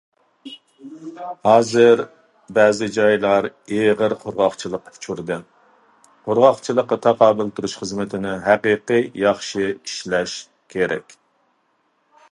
ھازىر، بەزى جايلار ئېغىر قۇرغاقچىلىققا ئۇچرىدى، قۇرغاقچىلىققا تاقابىل تۇرۇش خىزمىتىنى ھەقىقىي ياخشى ئىشلەش كېرەك.